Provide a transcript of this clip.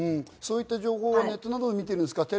そういう情報はネットなどで見ているんですか？